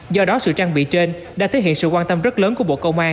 do đó sự trang bị trên đã thể hiện sự quan tâm rất lớn của bộ công an